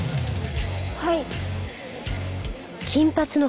はい。